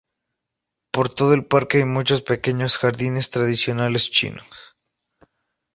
Por todo el parque hay muchos pequeños jardines tradicionales chinos.